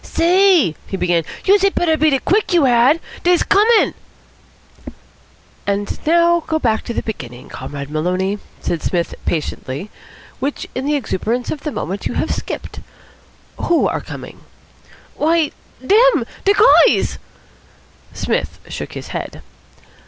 "Say," he began, "youse had better beat it quick, you had. Dey's coming!" "And now go back to the beginning, Comrade Maloney," said Psmith patiently, "which in the exuberance of the moment you have skipped. Who are coming?" "Why, dem. De guys." Psmith shook his head.